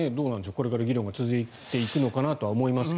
これから議論が続いていくのかなと思いますが。